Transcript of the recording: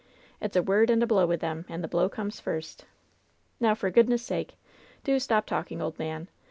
It's a word and a blow with them, and the blow comes first 1 Now, for goodness' sake, do stop talking, ole man